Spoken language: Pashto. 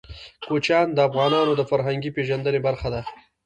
کوچیان د افغانانو د فرهنګي پیژندنې برخه ده.